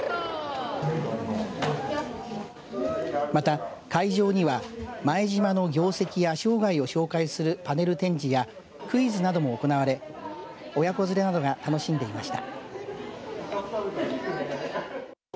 また、会場には前島の業績や生涯を紹介するパネル展示やクイズなども行われ親子連れなどが楽しんでいました。